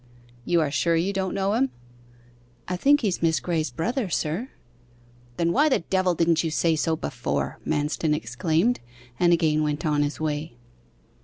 'You are sure you don't know him?' 'I think he is Miss Graye's brother, sir.' 'Then, why the devil didn't you say so before!' Manston exclaimed, and again went on his way.